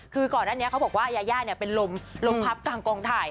คือก่อนนั้นเนี่ยเขาบอกว่ายาย่าเนี่ยเป็นลมลมพับกลางกองถ่าย